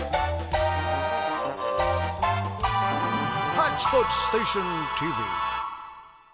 「ハッチポッチステーションＴＶ」。